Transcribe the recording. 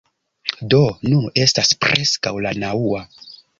Do, nun estas preskaŭ la naŭa